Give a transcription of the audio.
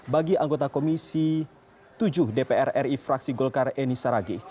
bagi anggota komisi tujuh dpr ri fraksi golkar eni saragih